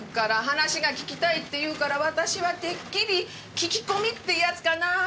話が聞きたいって言うから私はてっきり聞き込みってやつかなあと思ったんですけど。